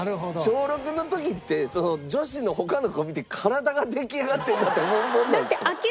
小６の時って女子の他の子を見て「体が出来上がってるな」って思うものなんですか？